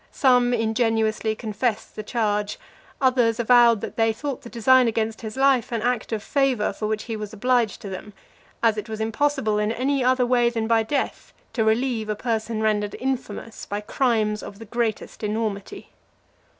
Some ingenuously confessed the charge; others avowed that they thought the design against his life an act of favour for which he was obliged to them, as it was impossible in any other way than by death to relieve a person rendered infamous by crimes of the greatest enormity.